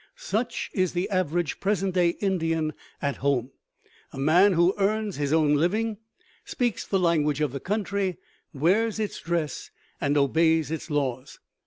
Such is the average present day Indian at home a man who earns his own living, speaks the language of the country, wears its dress, and obeys its laws.